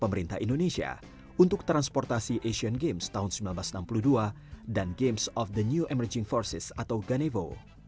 pemerintah indonesia untuk transportasi asian games tahun seribu sembilan ratus enam puluh dua dan games of the new emerging forces atau ganevo